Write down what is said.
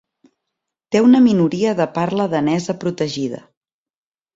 Té una minoria de parla danesa protegida.